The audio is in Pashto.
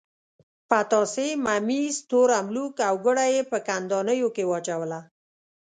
پتاسې، ممیز، تور املوک او ګوړه یې په کندانیو کې واچوله.